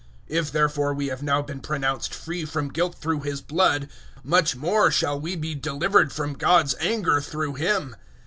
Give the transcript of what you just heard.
005:009 If therefore we have now been pronounced free from guilt through His blood, much more shall we be delivered from God's anger through Him.